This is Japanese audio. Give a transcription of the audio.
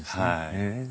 へえ。